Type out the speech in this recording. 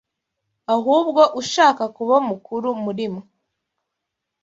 Ahubwo ushaka kuba mukuru muri mwe